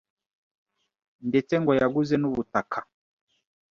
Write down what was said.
ndetse ngo yaguze n’ubutaka